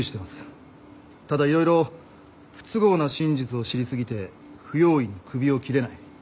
ただ色々不都合な真実を知り過ぎて不用意に首を切れない。